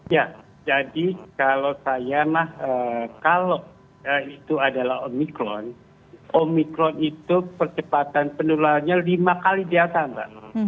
ya jadi kalau saya mah kalau itu adalah omikron omikron itu percepatan penularannya lima kali di atas mbak